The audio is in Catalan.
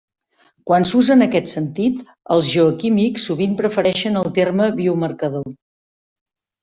Quan s'usa en aquest sentit, els geoquímics sovint prefereixen el terme biomarcador.